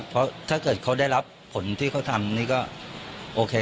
เพราะถ้าเกิดเขาได้รับผลที่เขาทำนี่ก็โอเค